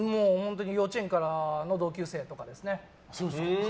幼稚園からの同級生とかですかね。